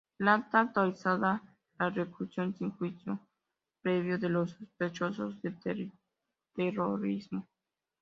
El Acta autorizaba la reclusión sin juicio previo de los sospechosos de terrorismo.